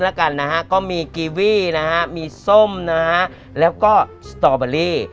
แล้วกันนะฮะก็มีกีวี่นะฮะมีส้มนะฮะแล้วก็สตอเบอรี่